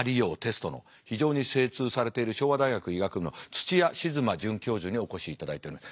非常に精通されている昭和大学医学部の土屋静馬准教授にお越しいただいております。